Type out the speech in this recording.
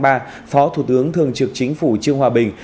phó thủ tướng thường trực chính phủ trương hòa bình